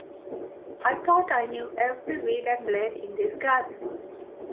I thought I knew every weed and blade in this garden.